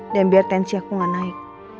dan biar tensi aku gak naik